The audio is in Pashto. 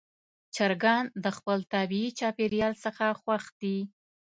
چرګان د خپل طبیعي چاپېریال څخه خوښ دي.